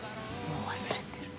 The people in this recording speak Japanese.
もう忘れてる。